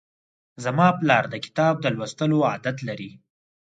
زما پلار د کتاب د لوستلو عادت لري.